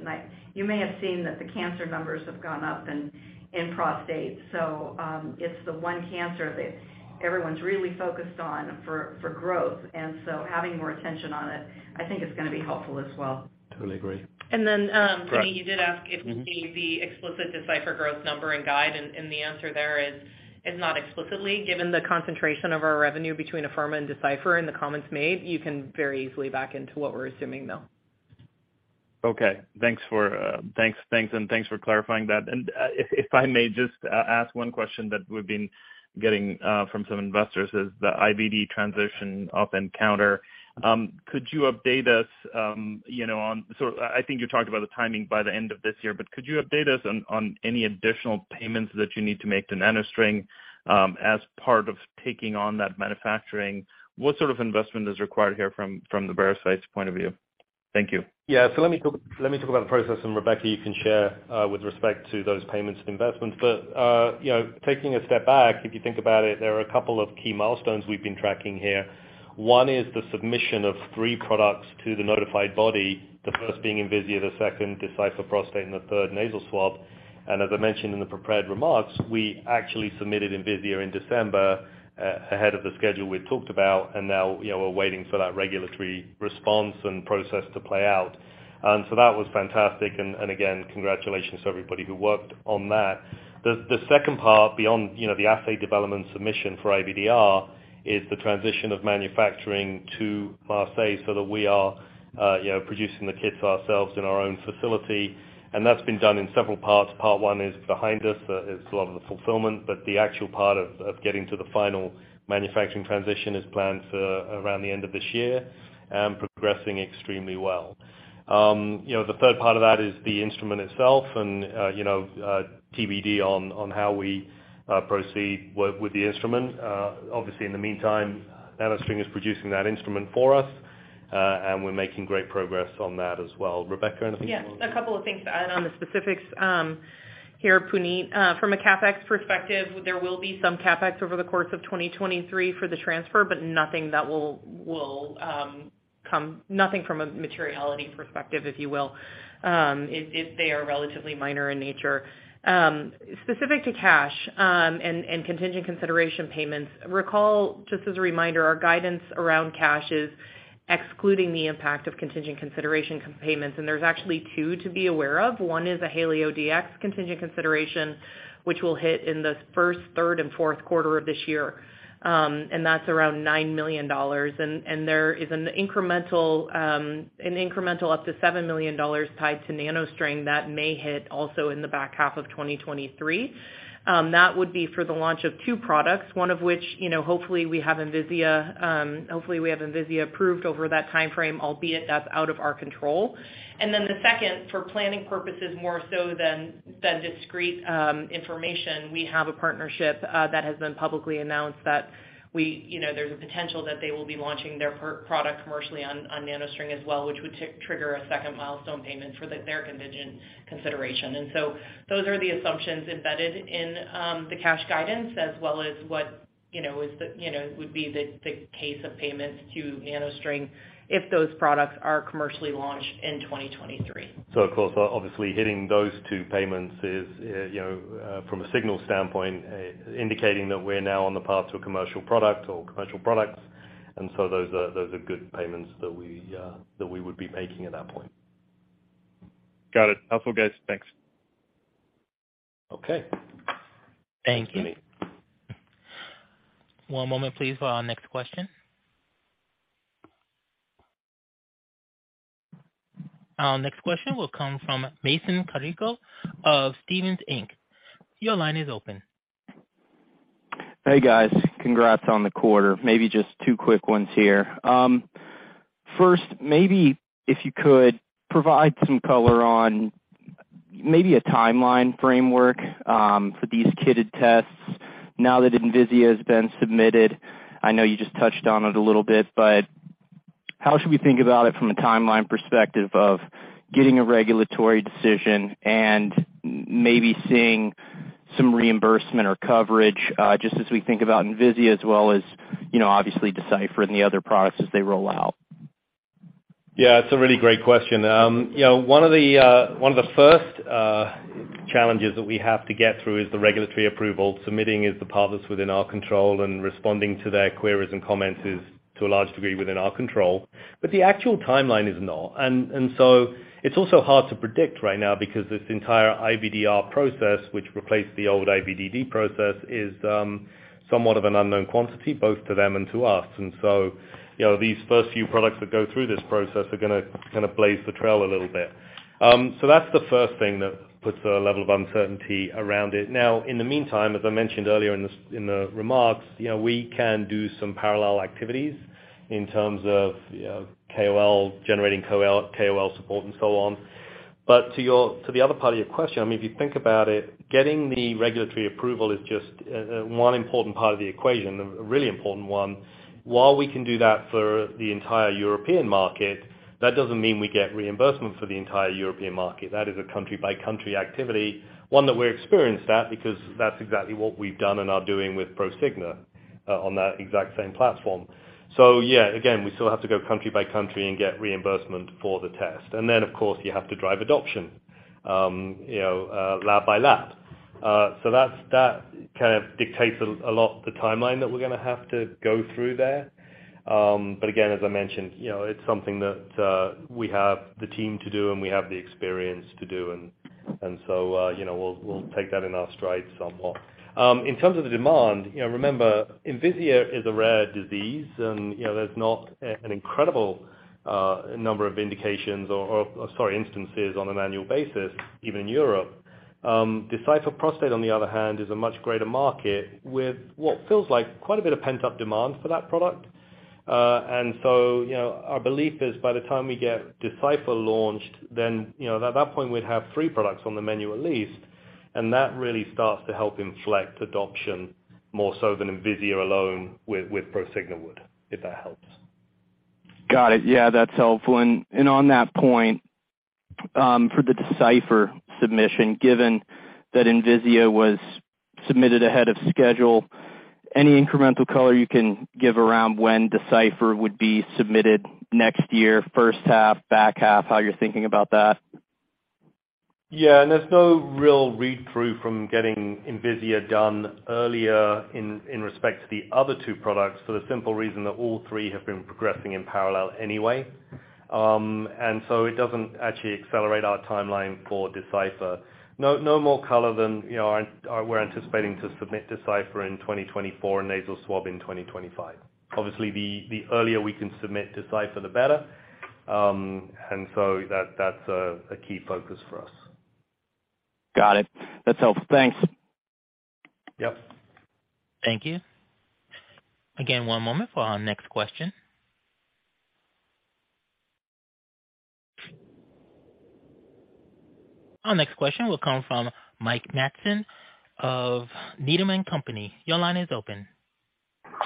You may have seen that the cancer numbers have gone up in prostate. It's the one cancer that everyone's really focused on for growth, and so having more attention on it, I think, is gonna be helpful as well.
Totally agree.
Puneet, you did ask if we see the explicit Decipher growth number in guide, and the answer there is not explicitly. Given the concentration of our revenue between Afirma and Decipher and the comments made, you can very easily back into what we're assuming, though.
Okay. Thanks for thanks. Thanks, and thanks for clarifying that. If I may just ask one question that we've been getting from some investors, is the IVD transition off nCounter? Could you update us on... so I think you talked about the timing by the end of this year, but could you update us on any additional payments that you need to make to NanoString as part of taking on that manufacturing? What sort of investment is required here from Veracyte's point of view? Thank you.
Yeah. Let me talk about the process, Rebecca, you can share with respect to those payments and investments., taking a step back, if you think about it, there are a couple of key milestones we've been tracking here. One is the submission of three products to the notified body, the first being Envisia, the second Decipher Prostate, and the third Nasal Swab. As I mentioned in the prepared remarks, we actually submitted Envisia in December, ahead of the schedule we'd talked about, and now we're waiting for that regulatory response and process to play out. That was fantastic. Again, congratulations to everybody who worked on that. The second part beyond the assay development submission for IVDR is the transition of manufacturing to Marseille so that we are producing the kits ourselves in our own facility. That's been done in several parts. Part one is behind us. That is a lot of the fulfillment, but the actual part of getting to the final manufacturing transition is planned for around the end of this year and progressing extremely well., the third part of that is the instrument itself and TBD on how we proceed with the instrument. Obviously, in the meantime, NanoString is producing that instrument for us, and we're making great progress on that as well. Rebecca, anything you wanna add?
Yeah. A couple of things to add on the specifics here, Puneet. From a CapEx perspective, there will be some CapEx over the course of 2023 for the transfer, but nothing that will Nothing from a materiality perspective, if you will. If they are relatively minor in nature. Specific to cash, and contingent consideration payments, recall, just as a reminder, our guidance around cash is excluding the impact of contingent consideration payments, there's actually two to be aware of. One is a HalioDx contingent consideration, which will hit in the first, third, and Q4 of this year, and that's around $9 million. There is an incremental, an incremental up to $7 million tied to NanoString that may hit also in the back half of 2023. That would be for the launch of two products, one of which hopefully we have Envisia, hopefully we have Envisia approved over that timeframe, albeit that's out of our control. The second, for planning purposes more so than discrete information, we have a partnership that has been publicly announced that there's a potential that they will be launching their product commercially on NanoString as well, which would trigger a second milestone payment for their contingent consideration. Those are the assumptions embedded in the cash guidance as well as what is the would be the case of payments to NanoString if those products are commercially launched in 2023.
Of course, obviously hitting those two payments is from a signal standpoint, indicating that we're now on the path to a commercial product or commercial products. Those are good payments that we would be making at that point.
Got it. Helpful, guys. Thanks.
Okay.
Thank you.
Puneet.
One moment please for our next question. Our next question will come from Mason Carrico of Stephens Inc. Your line is open.
Hey, guys. Congrats on the quarter. Maybe just two quick ones here. First, maybe if you could provide some color on maybe a timeline framework for these kitted tests now that Envisia has been submitted. I know you just touched on it a little bit, but how should we think about it from a timeline perspective of getting a regulatory decision and maybe seeing some reimbursement or coverage, just as we think about Envisia as well as obviously Decipher and the other products as they roll out?
Yeah, it's a really great question., one of the one of the 1st challenges that we have to get through is the regulatory approval. Submitting is the part that's within our control and responding to their queries and comments is to a large degree within our control. The actual timeline is not. It's also hard to predict right now because this entire IVDR process, which replaced the old IVDD process, is somewhat of an unknown quantity both to them and to us., these 1st few products that go through this process are gonna kinda blaze the trail a little bit. That's the 1st thing that puts a level of uncertainty around it. Now, in the meantime, as I mentioned earlier in the, in the remarks we can do some parallel activities in terms of KOL, generating KOL support and so on. To your, to the other part of your question, I mean, if you think about it, getting the regulatory approval is just one important part of the equation, a really important one. While we can do that for the entire European market, that doesn't mean we get reimbursement for the entire European market. That is a country-by-country activity, one that we're experienced at because that's exactly what we've done and are doing with Prosigna on that exact same platform. Yeah, again, we still have to go country by country and get reimbursement for the test. Then, of course, you have to drive adoption lab by lab. That's, that kind of dictates a lot the timeline that we're gonna have to go through there. Again, as I mentioned it's something that we have the team to do and we have the experience to do. so we'll take that in our stride somewhat. In terms of the demand remember Envisia is a rare disease, and there's not an incredible number of indications or sorry, instances on an annual basis, even in Europe. Decipher Prostate, on the other hand, is a much greater market with what feels like quite a bit of pent-up demand for that product. , our belief is by the time we get Decipher launched, then at that point we'd have 3 products on the menu at least, and that really starts to help inflect adoption more so than Envisia alone with Prosigna would, if that helps.
Got it. Yeah, that's helpful. On that point, for the Decipher submission, given that Envisia was submitted ahead of schedule, any incremental color you can give around when Decipher would be submitted next year, H1, back half, how you're thinking about that?
Yeah, there's no real read-through from getting Envisia done earlier in respect to the other two products for the simple reason that all three have been progressing in parallel anyway. It doesn't actually accelerate our timeline for Decipher. No, no more color than we're anticipating to submit Decipher in 2024 and Nasal Swab in 2025. Obviously, the earlier we can submit Decipher, the better. That, that's a key focus for us.
Got it. That's helpful. Thanks.
Yep.
Thank you. Again, one moment for our next question. Our next question will come from Mike Matson of Needham & Company. Your line is open.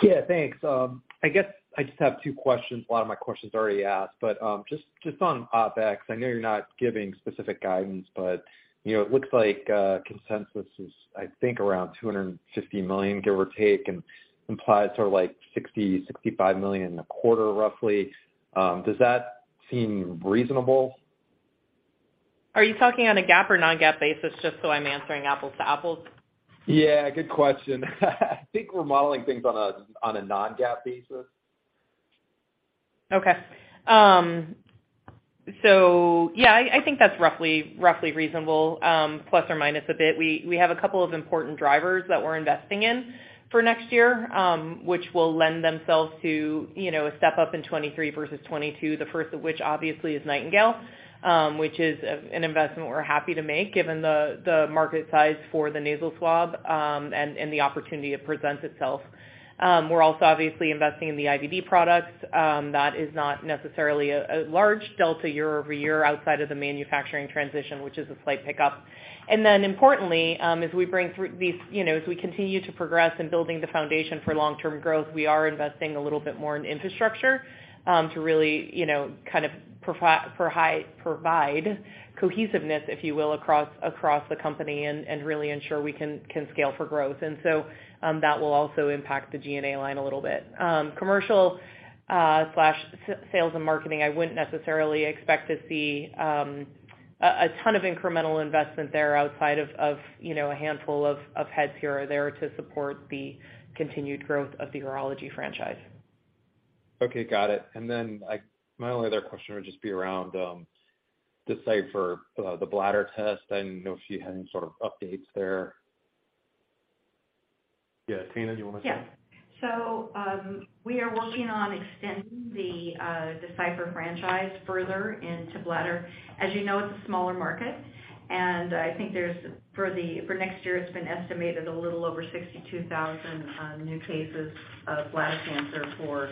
Yeah, thanks. I guess I just have two questions. A lot of my questions already asked, but, just on OpEx, I know you're not giving specific guidance, but it looks like consensus is, I think, around $250 million, give or take, and implies sort of like $60 million-$65 million a quarter, roughly. Does that seem reasonable?
Are you talking on a GAAP or non-GAAP basis, just so I'm answering apples to apples?
Yeah, good question. I think we're modeling things on a non-GAAP basis.
Okay. Yeah, I think that's roughly reasonable, plus minus a bit. We have a couple of important drivers that we're investing in for next year, which will lend themselves to a step up in 23 versus 22. The first of which obviously is NIGHTINGALE, which is an investment we're happy to make given the market size for the nasal swab, and the opportunity it presents itself. We're also obviously investing in the IVD products. That is not necessarily a large delta year-over-year outside of the manufacturing transition, which is a slight pickup. Importantly, as we bring through these, as we continue to progress in building the foundation for long-term growth, we are investing a little bit more in infrastructure to really provide cohesiveness, if you will, across the company and really ensure we can scale for growth. That will also impact the G&A line a little bit. Commercial slash sales and marketing, I wouldn't necessarily expect to see a ton of incremental investment there outside of a handful of heads here or there to support the continued growth of the urology franchise.
Okay, got it. My only other question would just be around Decipher the bladder test. I didn't know if you had any sort of updates there.
Yeah. Tina, do you wanna take it?
Yeah. We are working on extending the Decipher franchise further into bladder. As, it's a smaller market, I think there's for next year, it's been estimated a little over 62,000 new cases of bladder cancer for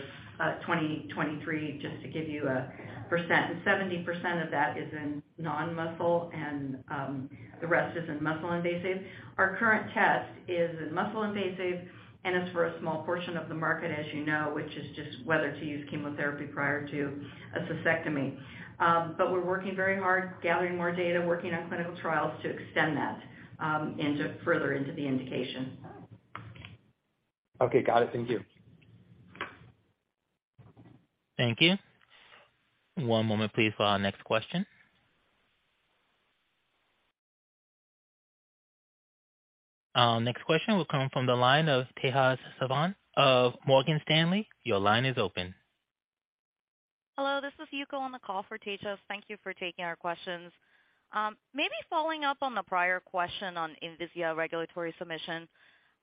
2023, just to give you a percent. 70% of that is in non-muscle and the rest is in muscle invasive. Our current test is in muscle invasive, it's for a small portion of the market, as, which is just whether to use chemotherapy prior to a cystectomy. We're working very hard, gathering more data, working on clinical trials to extend that further into the indication.
Okay. Got it. Thank you.
Thank you. One moment, please, for our next question. Our next question will come from the line of Tejas Savant of Morgan Stanley. Your line is open.
Hello, this is Yuko on the call for Tejas. Thank you for taking our questions. maybe following up on the prior question on Envisia regulatory submission,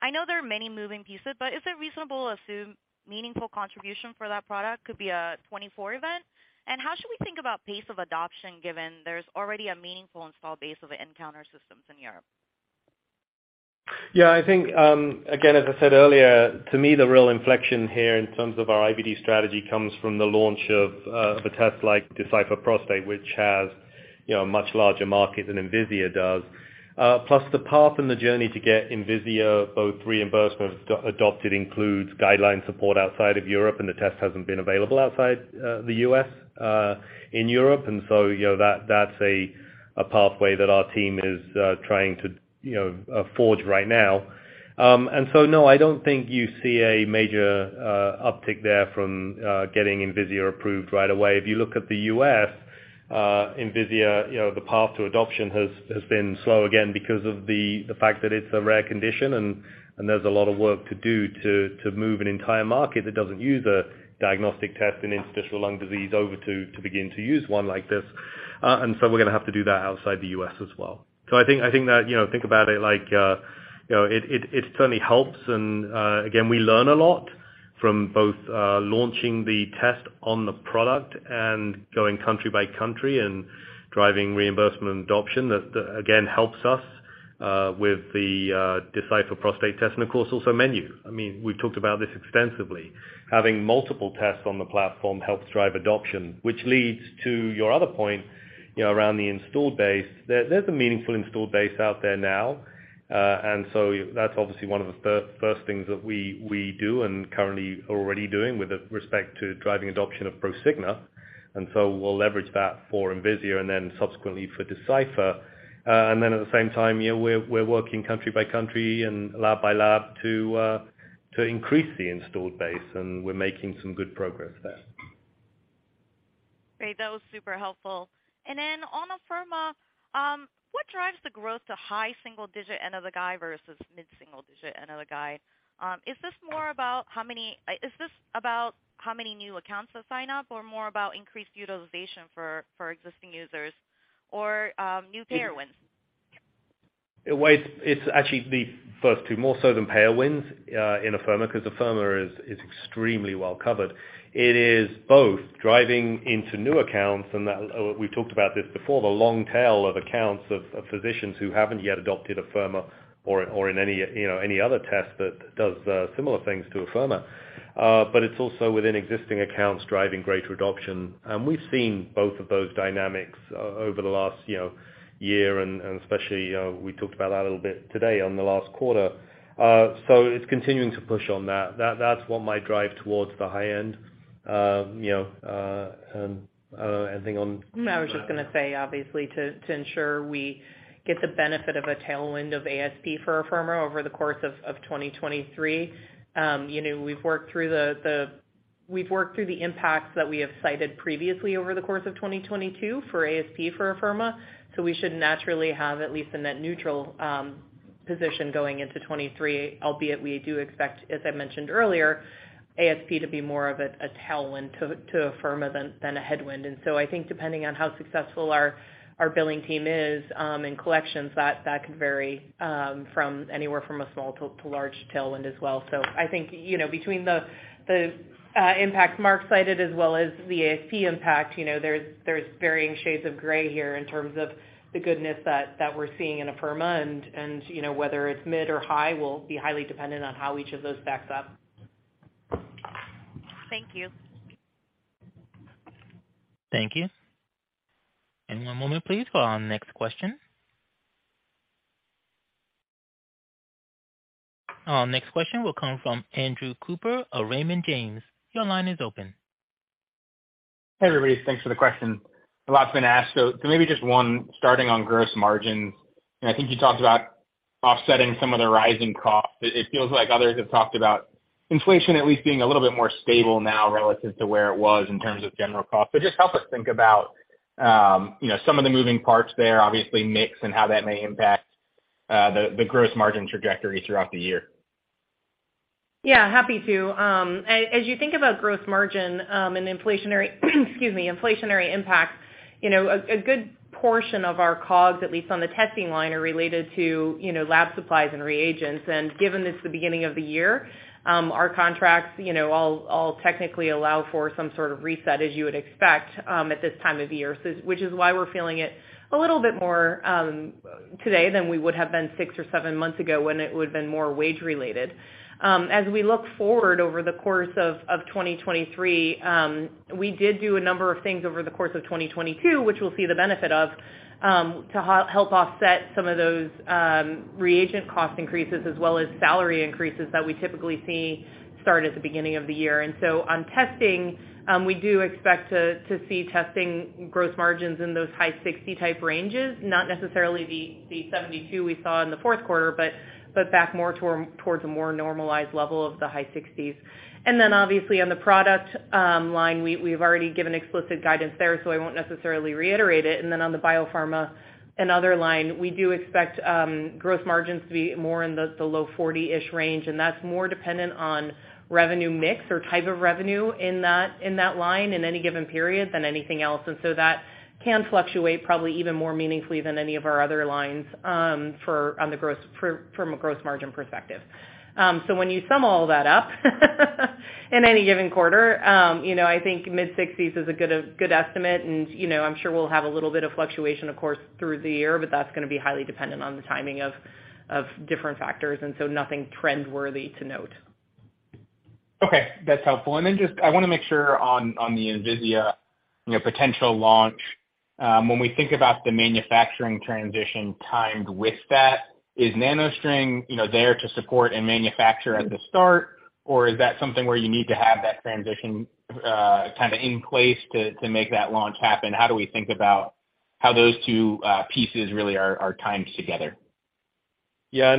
I know there are many moving pieces, but is it reasonable to assume meaningful contribution for that product could be a 2024 event? How should we think about pace of adoption given there's already a meaningful install base of nCounter systems in Europe?
Yeah, I think again, as I said earlier, to me the real inflection here in terms of our IVD strategy comes from the launch of the tests like Decipher Prostate, which has a much larger market than Envisia does. Plus the path and the journey to get Envisia both reimbursed, but adopted includes guideline support outside of Europe, and the test hasn't been available outside the U.S. in Europe., that's a pathway that our team is trying to forge right now. No, I don't think you see a major uptick there from getting Envisia approved right away. If you look at the U.S., envisia the path to adoption has been slow again because of the fact that it's a rare condition and there's a lot of work to do to move an entire market that doesn't use a diagnostic test in interstitial lung disease over to begin to use one like this. We're gonna have to do that outside the U.S. as well. I think that think about it like it certainly helps and again, we learn a lot from both launching the test on the product and going country by country and driving reimbursement and adoption that again helps us with the Decipher Prostate Test, and of course also Menu. I mean, we've talked about this extensively. Having multiple tests on the platform helps drive adoption, which leads to your other point around the installed base. There's a meaningful installed base out there now. That's obviously one of the first things that we do and currently are already doing with respect to driving adoption of Prosigna. We'll leverage that for Envisia and then subsequently for Decipher. At the same time we're working country by country and lab by lab to increase the installed base, and we're making some good progress there.
Great. That was super helpful. On Afirma, what drives the growth to high single digit and of the guidance versus mid-single digit and of the guidance? Is this more about how many new accounts that sign up or more about increased utilization for existing users or new payer wins?
Wait, it's actually the first two, more so than payer wins, in Afirma, 'cause Afirma is extremely well covered. It is both driving into new accounts, and we've talked about this before, the long tail of accounts of physicians who haven't yet adopted Afirma or in any any other test that does similar things to Afirma. It's also within existing accounts driving greater adoption. We've seen both of those dynamics over the last year and especially, we talked about that a little bit today on the last quarter. It's continuing to push on that. That's what my drive towards the high end and anything on.
I was just gonna say, obviously, to ensure we get the benefit of a tailwind of ASP for Afirma over the course of 2023., we've worked through the impacts that we have cited previously over the course of 2022 for ASP for Afirma. We should naturally have at least a net neutral position going into 2023, albeit we do expect, as I mentioned earlier, ASP to be more of a tailwind to Afirma than a headwind. I think depending on how successful our billing team is in collections, that could vary from anywhere from a small to large tailwind as well. I think between the impacts Mark cited as well as the ASP impact there's varying shades of gray here in terms of the goodness that we're seeing in Afirma, and whether it's mid or high will be highly dependent on how each of those stacks up.
Thank you.
Thank you. One moment please for our next question. Our next question will come from Andrew Cooper of Raymond James. Your line is open.
Hey, everybody. Thanks for the question. A lot's been asked. Maybe just one starting on gross margins. I think you talked about offsetting some of the rising costs. It feels like others have talked about inflation at least being a little bit more stable now relative to where it was in terms of general cost. Just help us think about some of the moving parts there, obviously mix and how that may impact the gross margin trajectory throughout the year.
Yeah, happy to. As you think about gross margin, and inflationary, excuse me, inflationary impact a good portion of our COGS, at least on the testing line, are related to lab supplies and reagents. Given it's the beginning of the year, our contracts all technically allow for some sort of reset as you would expect, at this time of year. Which is why we're feeling it a little bit more, today than we would have been six or seven months ago when it would've been more wage related. As we look forward over the course of 2023, we did do a number of things over the course of 2022, which we'll see the benefit of to help offset some of those reagent cost increases as well as salary increases that we typically see start at the beginning of the year. On testing, we do expect to see testing gross margins in those high 60 type ranges, not necessarily the 72 we saw in the Q4, but back more towards a more normalized level of the high 60s. Obviously on the product line, we've already given explicit guidance there, so I won't necessarily reiterate it. On the biopharma and other line, we do expect gross margins to be more in the low 40-ish range, and that's more dependent on revenue mix or type of revenue in that line in any given period than anything else. That can fluctuate probably even more meaningfully than any of our other lines on the growth from a growth margin perspective. When you sum all that up in any given quarter I think mid-60s is a good estimate, and, I'm sure we'll have a little bit of fluctuation, of course, through the year, but that's gonna be highly dependent on the timing of different factors, and so nothing trend-worthy to note.
Okay, that's helpful. Then just I wanna make sure on the envisia potential launch, when we think about the manufacturing transition timed with that, is nanostring there to support and manufacture at the start, or is that something where you need to have that transition kind of in place to make that launch happen? How do we think about how those two pieces really are timed together?
Yeah.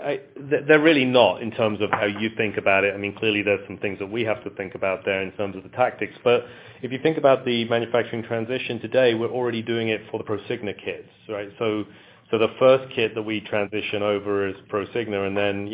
I. They're really not in terms of how you think about it. I mean, clearly there's some things that we have to think about there in terms of the tactics. If you think about the manufacturing transition today, we're already doing it for the Prosigna kits, right? The first kit that we transition over is Prosigna, and then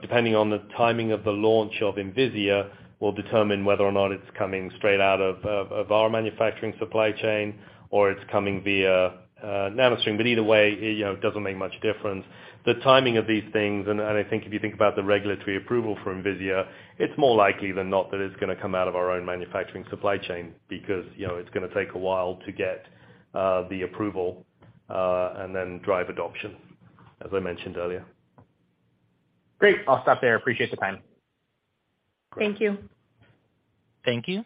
depending on the timing of the launch of Envisia, we'll determine whether or not it's coming straight out of our manufacturing supply chain or it's coming via NanoString. Either way it doesn't make much difference. The timing of these things, and I think if you think about the regulatory approval for Envisia, it's more likely than not that it's gonna come out of our own manufacturing supply chain because it's gonna take a while to get the approval and then drive adoption, as I mentioned earlier.
Great. I'll stop there. Appreciate the time.
Thank you.
Thank you.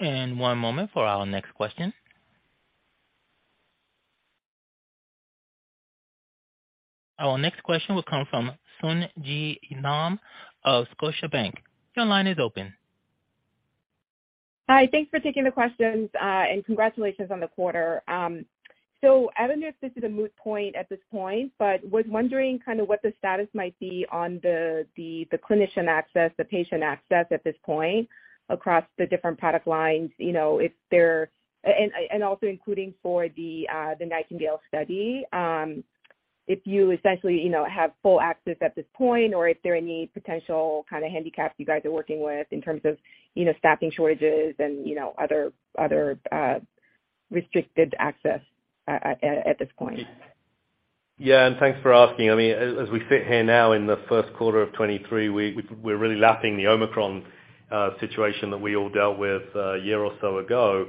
One moment for our next question. Our next question will come from Sung Ji Nam of Scotiabank. Your line is open.
Hi. Thanks for taking the questions, and congratulations on the quarter. I don't know if this is a moot point at this point, but was wondering kind of what the status might be on the clinician access, the patient access at this point across the different product lines if there and also including for the NIGHTINGALE study, if you essentially have full access at this point or if there are any potential kind of handicaps you guys are working with in terms of staffing shortages and other restricted access at this point?
Thanks for asking. I mean, as we sit here now in the Q1 of 2023, we're really lapping the Omicron situation that we all dealt with a year or so ago.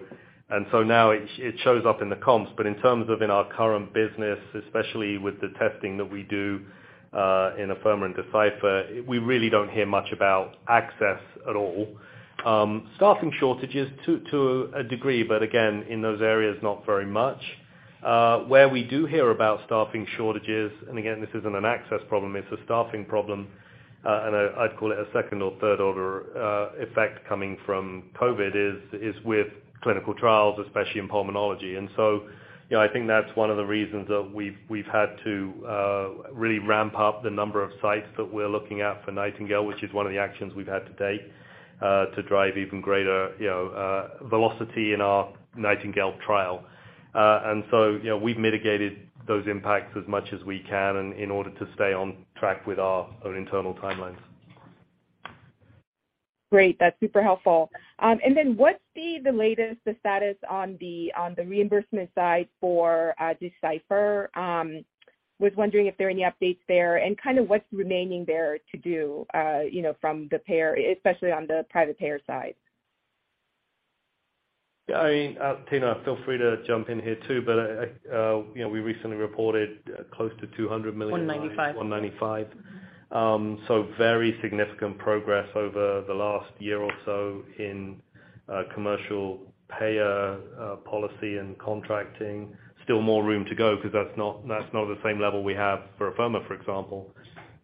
Now it shows up in the comps. In terms of in our current business, especially with the testing that we do, in Afirma and Decipher, we really don't hear much about access at all. Staffing shortages to a degree, again, in those areas, not very much. Where we do hear about staffing shortages, again, this isn't an access problem, it's a staffing problem, I'd call it a second or third order effect coming from COVID, is with clinical trials, especially in pulmonology., I think that's one of the reasons that we've had to really ramp up the number of sites that we're looking at for NIGHTINGALE, which is one of the actions we've had to date to drive even greater velocity in our NIGHTINGALE trial. , we've mitigated those impacts as much as we can in order to stay on track with our own internal timelines.
Great. That's super helpful. What's the latest status on the reimbursement side for Decipher? Was wondering if there are any updates there and kind of what's remaining there to do from the payer, especially on the private payer side.
I mean, Tina, feel free to jump in here too, but i we recently reported close to $200 million...
195.
195. Very significant progress over the last year or so in commercial payer policy and contracting. Still more room to go 'cause that's not, that's not the same level we have for Afirma, for example.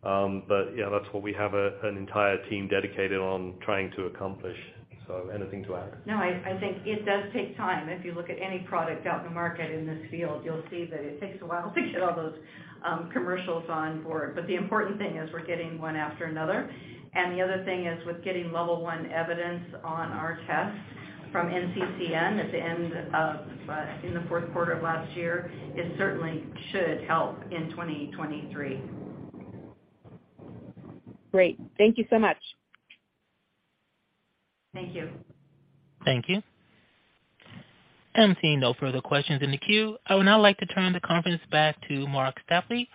Yeah, that's what we have an entire team dedicated on trying to accomplish. Anything to add?
I think it does take time. If you look at any product out in the market in this field, you'll see that it takes a while to get all those commercials on board. The important thing is we're getting one after another. The other thing is with getting level 1 evidence on our tests from NCCN at the end of in the Q4 of last year, it certainly should help in 2023.
Great. Thank you so much.
Thank you.
Thank you. I'm seeing no further questions in the queue. I would now like to turn the conference back to Marc Stapley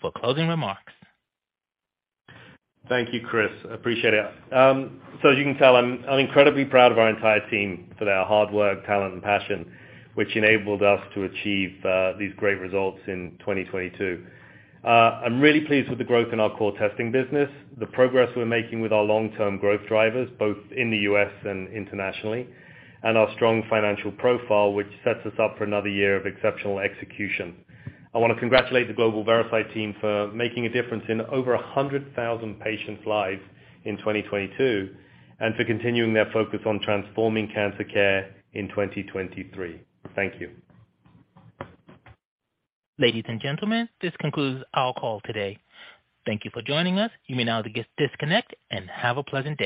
for closing remarks.
Thank you, Chris. Appreciate it. As you can tell, I'm incredibly proud of our entire team for their hard work, talent and passion, which enabled us to achieve these great results in 2022. I'm really pleased with the growth in our core testing business, the progress we're making with our long-term growth drivers, both in the U.S. and internationally, and our strong financial profile, which sets us up for another year of exceptional execution. I wanna congratulate the global Veracyte team for making a difference in over 100,000 patients' lives in 2022, for continuing their focus on transforming cancer care in 2023. Thank you.
Ladies and gentlemen, this concludes our call today. Thank you for joining us. You may now disconnect and have a pleasant day.